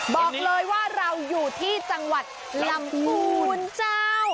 บอกเลยว่าเราอยู่ที่จังหวัดลำพูนเจ้า